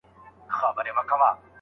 آیا اقتصاد تر سیاست باوري دی؟